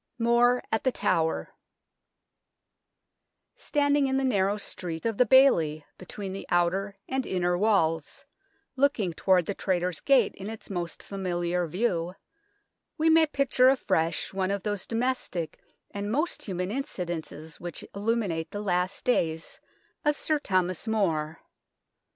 MORE AT THE TOWER Standing in the narrow street of the bailey between the outer and inner walls, looking toward the Traitors' Gate in its most familiar view, we may picture afresh one of those domestic and most human incidents which illuminate the last days of Sir Thomas More.